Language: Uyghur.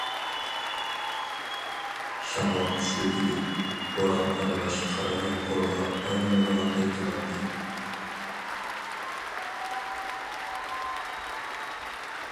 شامال كۈچلۈك ئىدى، بوران ئارىلاش قارا يامغۇرغا ئايلىنىدىغاندەك قىلاتتى.